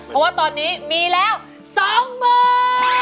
เพราะว่าตอนนี้มีแล้ว๒หมื่น